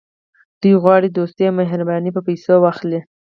دوی غواړي دوستي او مهرباني په پیسو واخلي.